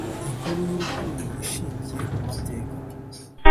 Inkuru y urukundo ishingiye ku mateka